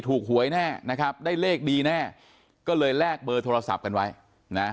หวยแน่นะครับได้เลขดีแน่ก็เลยแลกเบอร์โทรศัพท์กันไว้นะ